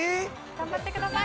頑張ってください。